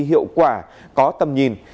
hiệu quả có tầm nhìn